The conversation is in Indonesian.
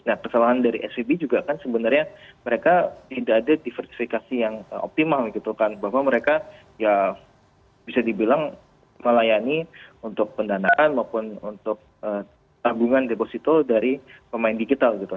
nah kesalahan dari svb juga kan sebenarnya mereka tidak ada diversifikasi yang optimal gitu kan bahwa mereka ya bisa dibilang melayani untuk pendanaan maupun untuk tabungan deposito dari pemain digital gitu